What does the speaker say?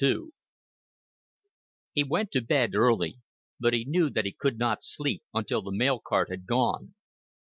II He went to bed early; but he knew that he would not sleep until the mail cart had gone.